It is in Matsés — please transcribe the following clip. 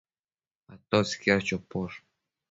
¿atotsi quiash neposh?